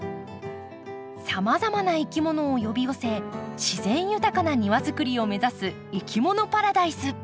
さまざまないきものを呼び寄せ自然豊かな庭作りを目指すいきものパラダイス。